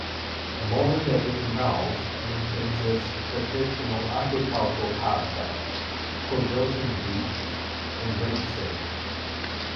Modern-day Pimelles maintains its traditional agricultural character, producing wheat and rapeseed.